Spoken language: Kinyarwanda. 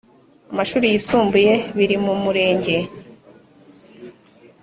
amashuri yisumbuye biri mu murenge